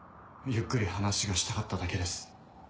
ゆっくり話がしたかっただけです。